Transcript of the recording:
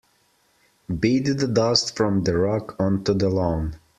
Beat the dust from the rug onto the lawn.